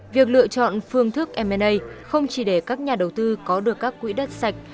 việc lựa chọn phương thức m a không chỉ để các nhà đầu tư có được các quỹ đất sạch